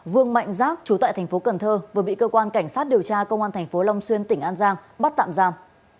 vương mạnh giác trú tại tp cần thơ vừa bị cơ quan cảnh sát điều tra công an tp long xuyên tỉnh an giang bắt tạm giam